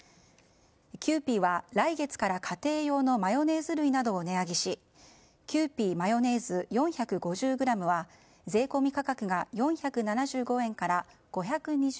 キユーピーは来月から家庭用のマヨネーズ類などを値上げしキユーピーマヨネーズ４５０ｇは「ぽかぽか」